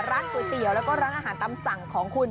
รสก๋วยเตี๋ยวแล้วก็รสอาหารตำสั่งของคุณ